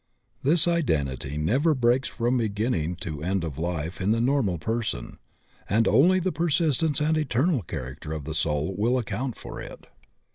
This identity never breaks from beginning to end of life in the normal person, and only the per sistence and eternal character of the soul will account for it.